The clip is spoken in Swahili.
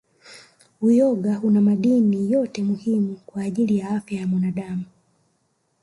Uyoga una madini yote muhimu kwa ajili ya afya ya mwanadamu